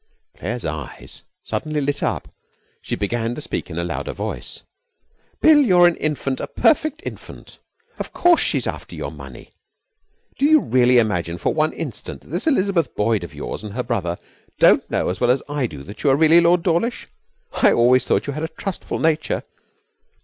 Claire's eyes suddenly lit up. She began to speak in a louder voice: 'Bill, you're an infant, a perfect infant! Of course, she's after your money. Do you really imagine for one instant that this Elizabeth Boyd of yours and her brother don't know as well as I do that you are really Lord Dawlish? I always thought you had a trustful nature!